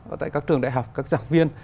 ở các trường đại học các giảng viên